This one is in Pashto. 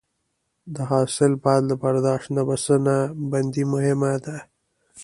د حاصل بعد له برداشت نه بسته بندي مهمه ده.